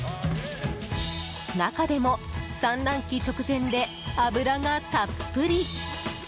中でも産卵期直前で脂がたっぷり。